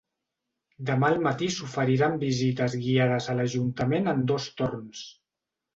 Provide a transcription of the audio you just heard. Demà al matí s’oferiran visites guiades a l’ajuntament en dos torns.